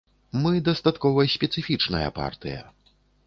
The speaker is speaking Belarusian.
Мы дастаткова спецыфічная партыя.